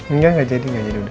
engga engga jadi engga jadi udah